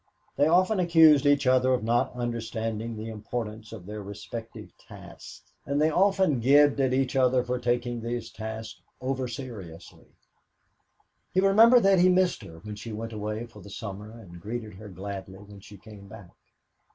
They often accused each other of not understanding the importance of their respective tasks and they as often gibed at each other for taking these tasks over seriously. He remembered that he missed her when she went away for the summer and greeted her gladly when she came back.